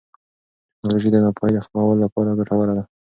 ټیکنالوژي د ناپوهۍ د ختمولو لپاره ګټوره ده.